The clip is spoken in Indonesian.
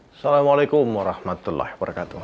assalamualaikum warahmatullahi wabarakatuh